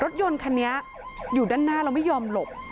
รถยนต์คันนี้อยู่ด้านหน้าแล้วไม่ยอมหลบ